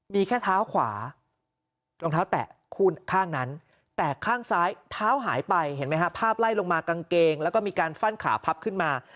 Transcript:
มีแค่เท้าขวารองเท้าแตะข้างนั้นแต่ข้างซ้ายเท้าหายไปเห็นไหมฮะภาพไล่ลงมากางเกงแล้วก็มีการฟั่นขาพับขึ้นมา